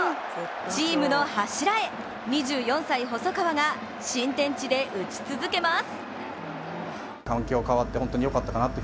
チームの柱へ、２４歳細川が新天地で打ち続けます。